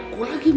gue lagi mandi da